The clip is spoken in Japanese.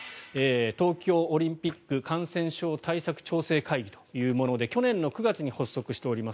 東京オリンピック感染症対策調整会議というもので去年９月に発足しております。